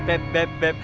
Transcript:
beb beb beb